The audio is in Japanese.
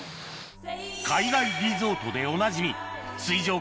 海岸リゾートでおなじみ水上